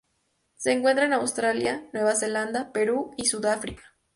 Se encuentra en Australia, Nueva Zelanda, Perú y Sudáfrica.